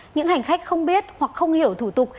những hành khách không biết hoặc không hiểu thủ tục